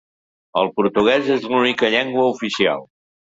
El portuguès és l'única llengua oficial.